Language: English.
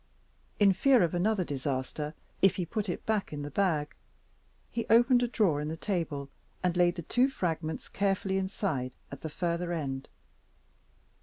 In fear of another disaster, if he put it back in the bag, he opened a drawer in the table, and laid the two fragments carefully inside, at the further end.